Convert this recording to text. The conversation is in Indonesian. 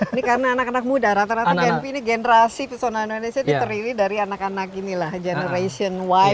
ini karena anak anak muda rata rata genpi ini generasi personal indonesia diteriui dari anak anak generation y